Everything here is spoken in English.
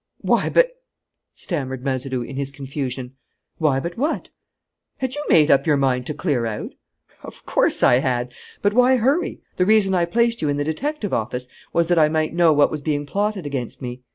"Why, but " stammered Mazeroux, in his confusion. "Why but what?" "Had you made up your mind to clear out?" "Of course I had! But why hurry? The reason I placed you in the detective office was that I might know what was being plotted against me.